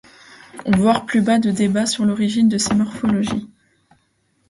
Voir plus bas le débat sur l'origine de ces morphologies asphériques.